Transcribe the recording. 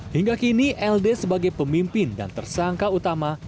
hingga kini ld sebagai pemimpin dan tersangka utama